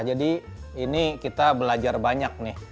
jadi ini kita belajar banyak nih